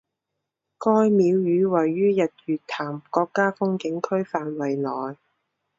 该庙宇位于日月潭国家风景区范围内。